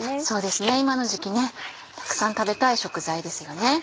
そうですね今の時期たくさん食べたい食材ですよね。